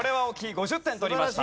５０点取りました。